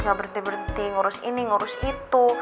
gak berhenti berhenti ngurus ini ngurus itu